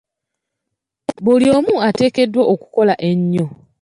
Buli omu ateekeddwa okukola ennyo .